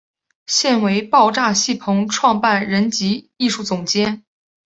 现为爆炸戏棚创办人及艺术总监。